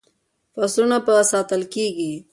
فصلونه به ساتل کیږي.